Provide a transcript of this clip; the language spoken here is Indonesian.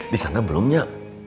disana belum ya